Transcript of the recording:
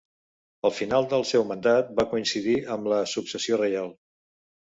El final del seu mandat va coincidir amb la successió reial.